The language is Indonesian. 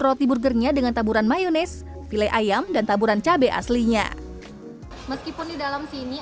roti burgernya dengan taburan mayonis file ayam dan taburan cabai aslinya meskipun di dalam sini